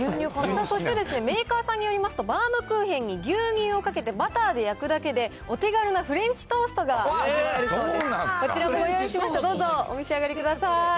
そして、メーカーさんによりますと、バウムクーヘンに牛乳をかけてバターで焼くだけで、お手軽なフレンチトーストが味わえるそうです。